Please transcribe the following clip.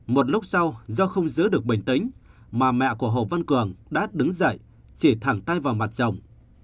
một lúc sau do không giữ được bình tĩnh mà mẹ của hồ văn cường đã đứng dậy chỉ thẳng tay vào mặt rồng